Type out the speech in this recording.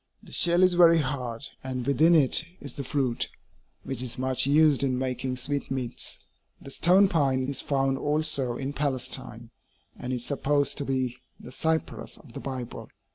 The shell is very hard, and within it is the fruit, which is much used in making sweetmeats. The stone pine is found also in Palestine, and is supposed to be the cypress of the Bible.